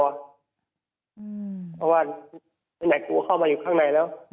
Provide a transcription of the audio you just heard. เพราะว่าแม็กซ์กลัวเข้ามาอยู่ข้างในแล้ว